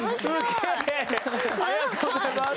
ありがとうございます。